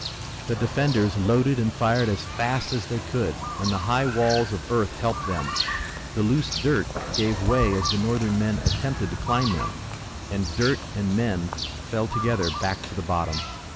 The defenders loaded and fired as fast as they could and the high walls of earth helped them. The loose dirt gave away as the Northern men attempted to climb them, and dirt and men fell together back to the bottom.